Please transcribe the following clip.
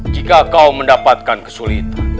jika kau mendapatkan kesulitan